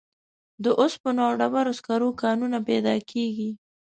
د اوسپنې او ډبرو سکرو کانونه پیدا کیږي.